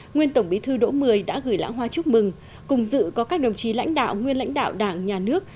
nguyên tổng bí thư đỗ mười đã gửi lãng hoa chúc mừng cùng dự có các đồng chí lãnh đạo nguyên lãnh đạo đảng nhà nước